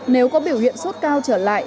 nếu có biểu hiện sốt cao trở lại